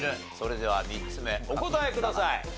それでは３つ目お答えください。